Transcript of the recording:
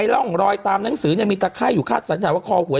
ไอ้ร่องรอยตามหนังสือเนี่ยมีตะไข้อยู่ข้าดสัญญาวะคอหวย